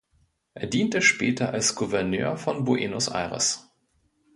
Er diente später als Gouverneur von Buenos Aires.